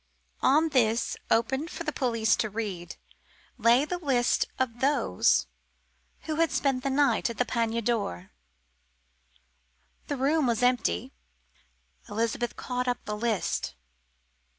On this, open for the police to read, lay the list of those who had spent the night at the "Panier d'Or." The room was empty. Elizabeth caught up the list.